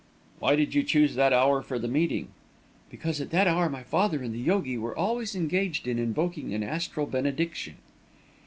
"Why did you choose that hour for the meeting?" "Because at that hour my father and the yogi were always engaged in invoking an astral benediction."